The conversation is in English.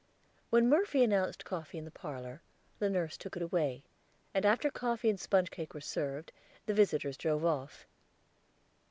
When Murphy announced coffee in the parlor, the nurse took it away; and after coffee and sponge cake were served the visitors drove off.